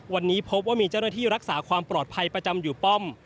วันนี้พบว่ามีเจ้าหน้าที่รักษาความปลอดภัยประจำอยู่ป้อม